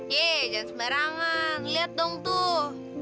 yeh jangan sembarangan lihat dong tuh